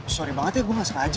sorry banget ya gue gak sengaja